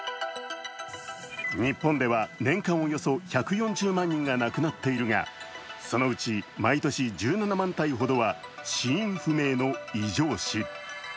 日本では年間およそ１４０万人が亡くなっているがそのうち毎年１７万体ほどは死因不明の異状死。